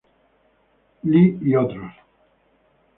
Li "et al".